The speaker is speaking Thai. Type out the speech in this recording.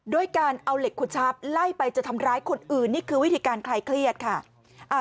ด้วยการเอาเหล็กขุดชับไล่ไปจะทำร้ายคนอื่นนี่คือวิธีการคลายเครียดค่ะ